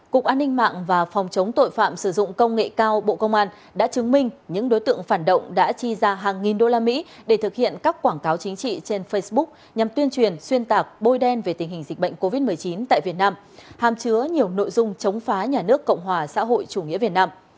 cục an ninh mạng và phòng chống tội phạm sử dụng công nghệ cao bộ công an đã chứng minh những đối tượng phản động đã chi ra hàng nghìn đô la mỹ để thực hiện các quảng cáo chính trị trên facebook nhằm tuyên truyền xuyên tạc bôi đen về tình hình dịch bệnh covid một mươi chín tại việt nam hàm chứa nhiều nội dung chống phá nhà nước cộng hòa xã hội chủ nghĩa việt nam